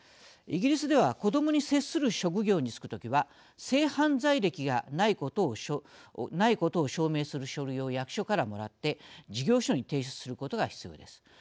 イギリスでは子どもに接する職業に就くときは性犯罪歴がないことを証明する書類を役所からもらって事業所に提出することが必要です。